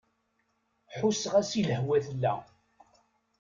Ḥusseɣ-as i lehwa tella.